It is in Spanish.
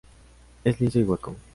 Es liso y hueco.